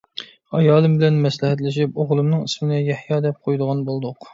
ئايالىم بىلەن مەسلىھەتلىشىپ، ئوغلۇمنىڭ ئىسمىنى «يەھيا» دەپ قويىدىغان بولدۇق.